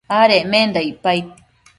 adecmenda icpaid